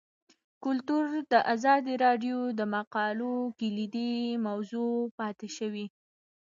کلتور د ازادي راډیو د مقالو کلیدي موضوع پاتې شوی.